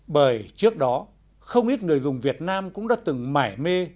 bởi trước đó không ít người dùng việt nam cũng đã từng mải mê